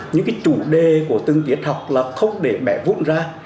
những chủ đề của từng tiết học là không để bẻ vút ra